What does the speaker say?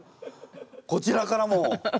こちらからも。